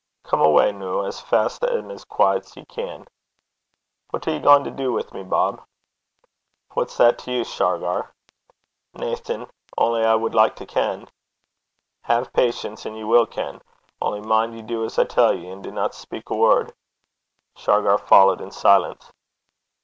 'Come awa' noo, as fest and as quaiet 's ye can.' 'What are ye gaein' to du wi' me, Bob?' 'What's that to you, Shargar?' 'Naything. Only I wad like to ken.' 'Hae patience, and ye will ken. Only mind ye do as I tell ye, and dinna speik a word.' Shargar followed in silence.